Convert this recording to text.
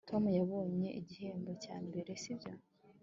tom yabonye igihembo cya mbere, sibyo